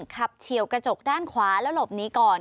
เฉียวกระจกด้านขวาแล้วหลบหนีก่อน